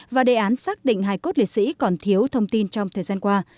và đề án xác định hài cốt liệt sĩ còn thiếu thông tin trong thời gian qua